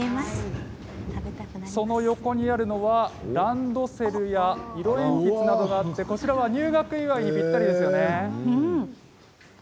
その横にあるのはランドセルや色鉛筆などがあってこちらは入学祝いにぴったりですよね。